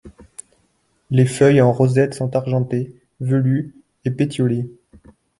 Les feuilles en rosette sont argentées, velues et pétiolées.